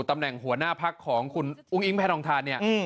ตำแหน่งหัวหน้าพักของคุณอุ้งอิงแพทองทานเนี่ย